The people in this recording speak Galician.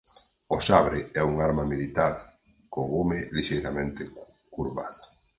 O sabre é unha arma militar co gume lixeiramente curvado.